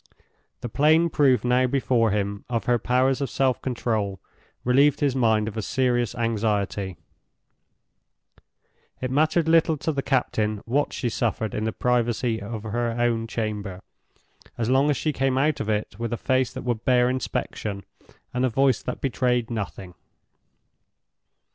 The plain proof now before him of her powers of self control relieved his mind of a serious anxiety. It mattered little to the captain what she suffered in the privacy of her own chamber, as long as she came out of it with a face that would bear inspection, and a voice that betrayed nothing.